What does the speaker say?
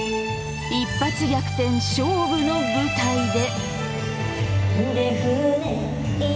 一発逆転勝負の舞台で。